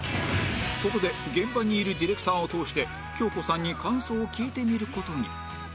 ここで現場にいるディレクターを通して京子さんに感想を聞いてみる事に